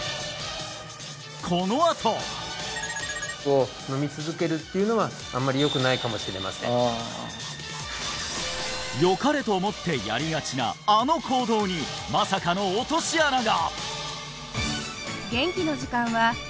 このあと！よかれと思ってやりがちなあの行動にまさかの落とし穴が！